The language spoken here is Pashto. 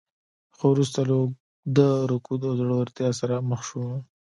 خو وروسته له اوږده رکود او ځوړتیا سره مخ شو.